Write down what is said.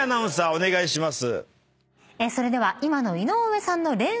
お願いします！